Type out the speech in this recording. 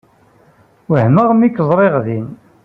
Wehmeɣ mi kem-ẓriɣ din.